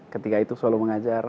ketika itu solo mengajar